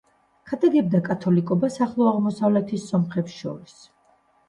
ქადაგებდა კათოლიკობას ახლო აღმოსავლეთის სომხებს შორის.